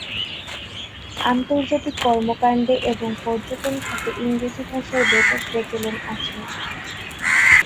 আন্তর্জাতিক কর্মকাণ্ডে এবং পর্যটন খাতে ইংরেজি ভাষার ব্যাপক প্রচলন আছে।